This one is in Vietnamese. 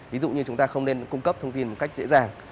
ví dụ như chúng ta không nên cung cấp thông tin một cách dễ dàng